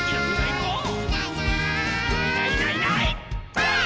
ばあっ！